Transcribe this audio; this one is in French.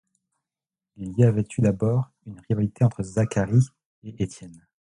Il y avait eu d'abord une rivalité entre Zacharie et Étienne.